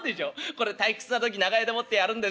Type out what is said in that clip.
これ退屈な時長屋でもってやるんですよ。